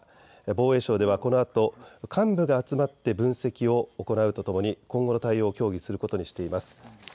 防衛省ではこのあと幹部が集まって分析を行うとともに今後の対応を協議することにしています。